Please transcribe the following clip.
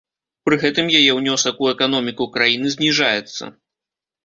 Пры гэтым яе ўнёсак у эканоміку краіны зніжаецца.